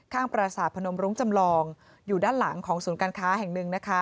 ประสาทพนมรุ้งจำลองอยู่ด้านหลังของศูนย์การค้าแห่งหนึ่งนะคะ